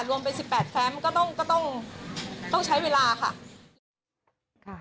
รวมเป็น๑๘แฟมก็ต้องใช้เวลาค่ะ